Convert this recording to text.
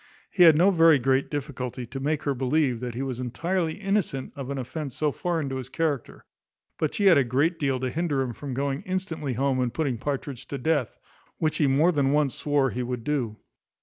He had no very great difficulty to make her believe that he was entirely innocent of an offence so foreign to his character; but she had a great deal to hinder him from going instantly home, and putting Partridge to death, which he more than once swore he would do.